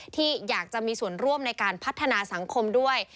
ที่อยากจะมีส่วนร่วมในการพัฒนาสังคมด้วย